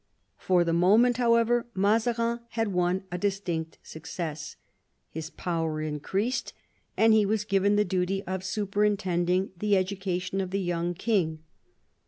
For the moment, however, Mazarin had won a distinct success. His power increased, and he was given the duty of super intending the education of the young king.